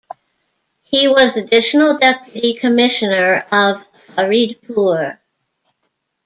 He was Additional Deputy Commissioner of Faridpur.